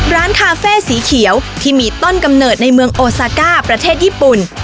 ร้านคาเฟ่สีเขียวที่มีต้นกำเนิดในเมืองโอซาก้าประเทศญี่ปุ่น